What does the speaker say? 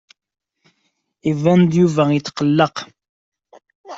Iban-d Yuba yettqelleq.